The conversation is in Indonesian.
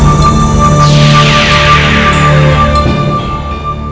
bagaimana jika anda berpaksareet